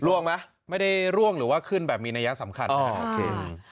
ร่วงมั้ยไม่ได้ร่วงหรือว่าขึ้นแบบมีนัยสำคัญค่ะ